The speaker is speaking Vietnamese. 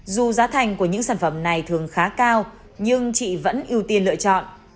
dù giá thành của những sản phẩm này thường khá cao nhưng chị vẫn ưu tiên lựa chọn